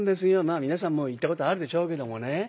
皆さんも行ったことあるでしょうけどもね